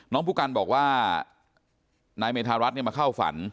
ผู้กันบอกว่านายเมธารัฐมาเข้าฝัน